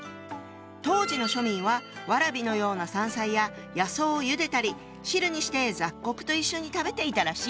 当時の庶民はワラビのような山菜や野草をゆでたり汁にして雑穀と一緒に食べていたらしいの。